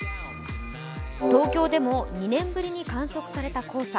東京でも、２年ぶりに観測された黄砂。